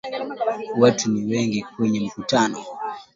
Watu ni wengi kwenye mkutano.